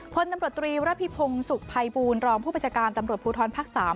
ผลตำรวจตรีระภิพงศ์สุขภัยบูรณ์รองผู้ประจการตำรวจภูทรภักษ์สาม